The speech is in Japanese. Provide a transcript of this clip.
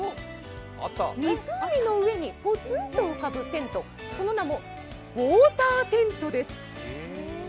湖の上にポツンと浮かぶテントその名もウォーターテントです。